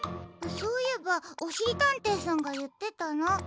そういえばおしりたんていさんがいってたな。